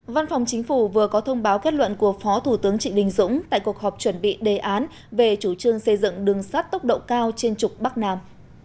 văn phòng chính phủ vừa có thông báo kết luận của phó thủ tướng trị đình dũng tại cuộc họp chuẩn bị đề án về chủ trương xây dựng đường sắt tốc độ cao trên trục bắc nam